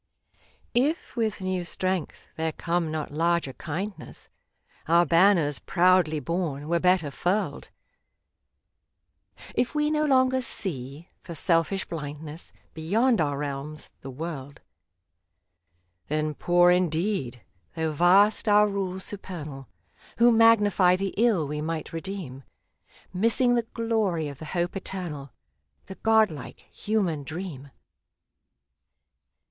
If with new strength there come not larger kind ness, Our banners, proudly borne, were better furled ; 57 TO ENGLAND If we no longer see, for selfish blindness, Beyond our realms, the world, — Then poor, indeed, though vast our rule supernal, Who magnify the ill we might redeem ; Missing the glory of the hope eternal — The god like, human dream